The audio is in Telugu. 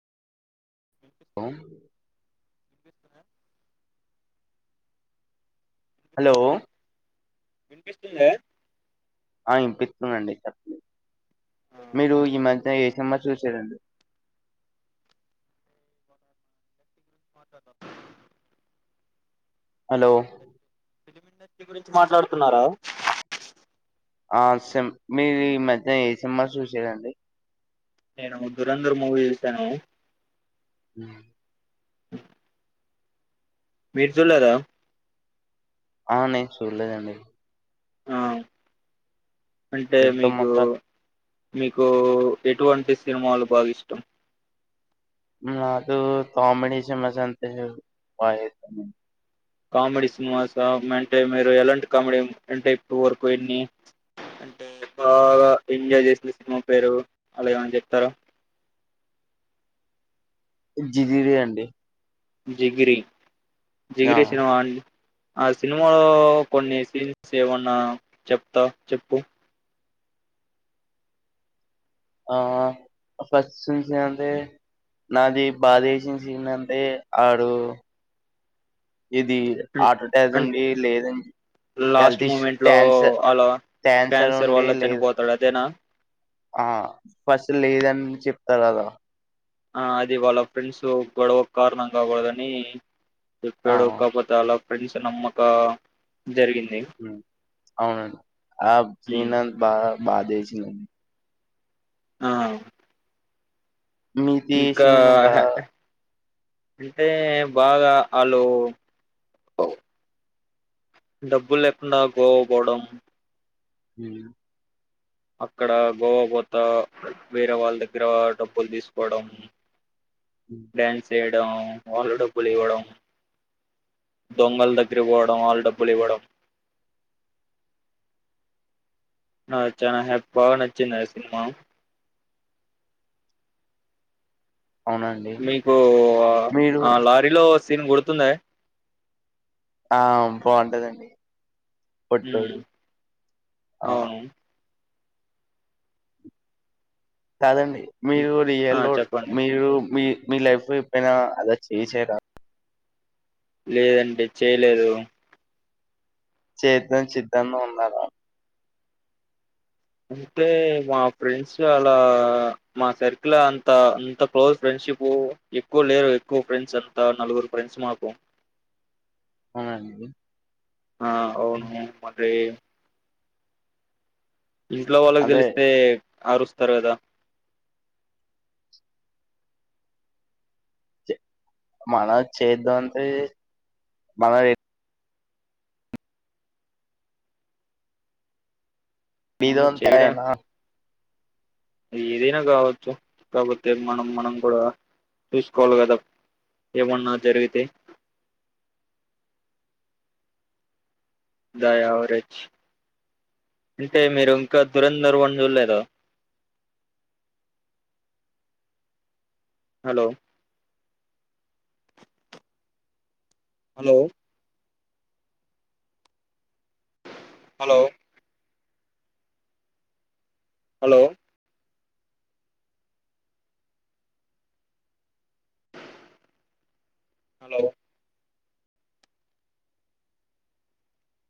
హలో వినిపిస్తుందా హలో వినిపిస్తుందా వినిపిస్తు ఇంద ఆ వినిపితుదండి, చెప్పండి. ఆ మీరు ఈ మాట్లాడు మధ్య ఏ సినిమా చూసిరండి? మాట్లాడదాం హలో వ్యక్తి గురించి మాట్లాడుతున్నారా? ఆ సెమ్. మీరు ఈ మధ్య ఏ సినిమా చూసిరండి? నేను దురధర్ మూవీ చేశాను. ఉమ్ [unintelligible] మీరు చూడలేదా? ఆ నేను చూడలేదండి. ఆ అంటే చూద్దాం మీకు ఒక మీకు ఎటువంటి సినిమాలు బాగా ఇష్టం? నాతూ కామెడీ సినిమాస్ అంటే బాగా ఇష్టం. కామెడీ సినిమాస్ ఆ అంటే మీరు ఎలాంటి కామెడీ అంటే ఇప్పడు వరకు ఎన్ని? అంటే బాగా ఎంజాయ్ చేసిన సినిమా పేరు అలా ఏమాన్న చెప్తారా? జిగిరి అండి జిగిరి ఆ జిగిరి సినిమా అండి. ఆ సినిమాలో కొన్ని సీన్స్ ఏమన్నా చెప్తా చెప్పు. ఆ ఫస్ట్ నుంచి అంటే నాది బాధ చేసిన సన్ అంటే ఆడు ఇది ఉమ్, ఆటోటైజమ్ అండ్ ఉండి లేద జేప్ లాస్ట్ యాల్తీష్ మూమెంట్ లో క్యాన్సర్ అలా క్యాన్సర్ ఉండి వల్ల లేద చనిపోతాడు అదేనా ఆ ఫస్ట్ లేదని చెప్తారు, అదా? ఆ అది వాళ్ళ ఫ్రెండ్స్ గొడవక్ కారణం కాకూడదని. ఆ చెప్పడు కాకపోతే అల్లక్? అె స నమ్మకా మ్ అవునండి ఆ ఉమ్, శ్రీనాంత్ బా... బాదేసిందండి. ఆ ఇంకా మీతేశినాం బా హ- అంటే బాగా ఆళ్లు డబ్బులు లేకుండా, గోవా పోవడం. నిన్న అక్కడ గోవా పోత, వేరే వాళ్ల దగ్గర డబ్బులు తీసుకోవడం. డ్యాన్స్ ఏయడ వాళ్ల డబ్బులివ్వడం, దొంగల్ దగ్గరికి వోవడం, వాళ్ల డబ్బులివ్వడం. ఆ చానా హ్యాప్ బాగా నచ్చింది, అయ్యా సినిమా. అవునండి మీకు మీరు ఆ లారీలో వస్తు సీన్ గుర్తుందయ్యే? ఆ పొట్టోడు ఉమ్, ఆ అవును కాదండి మీరు ఆ రియల్ లోడ్ చెప్పండి మీరు మీ మీ లైఫ్ లో ఎప్పుడైనా అలా చేశారా లేదండి చెయ్యలేదు చేద్దాం చేద్దాం లో ఉన్నదా అంటే మా ఫ్రెండ్స్ అలా మా సర్కిల్ అంత అంత క్లోజ్ ఫ్రెండ్షిప్ ఎక్కువ లేరు ఎక్కువ ఫ్రెండ్స్ అంతా నలుగురు ఫ్రెండ్స్ మాకు అవునండి ఆ అవును మీకు మరి ఇంట్లో వాళ్ళకి అదే తెెలిస్తే ఆరుస్తారు కదా మనం చేద్దాం అంటే మనం అవును చేయడా ఇదొంతయేనా ఏదైనా కావచ్చు కాకపోతే మనం మనం కూడా చూసుకోవాలి కదా ఏమన్నా జరిగితే ద యావరేజ్ అంటే మీరు ఇంకా దురంధర్ వన్ చూడలేదా hello hello hello hello hello